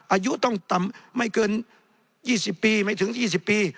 อายุต้องต่ำไม่เกิน๒๐ปีไม่ถึง๒๐ปี